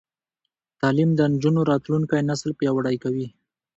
تعلیم د نجونو راتلونکی نسل پیاوړی کوي.